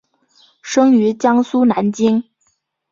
生于江苏南京。